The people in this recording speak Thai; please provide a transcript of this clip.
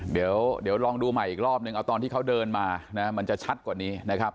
เดี๋ยวลองดูใหม่อีกรอบนึงเอาตอนที่เขาเดินมานะมันจะชัดกว่านี้นะครับ